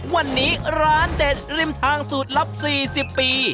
วันนี้ร้านเด็ดริมทางสูตรลับ๔๐ปี